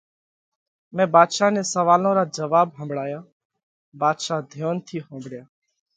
مئين ڀاڌشا نئہ سوئالون را جواٻ ۿمڀۯايا، ڀاڌشا ڌيونَ ٿِي ۿومڀۯيا۔